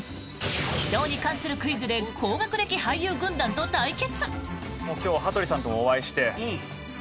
気象に関するクイズで高学歴俳優軍団と対決！